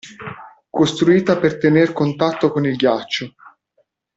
Costruita per tener contatto con il ghiaccio.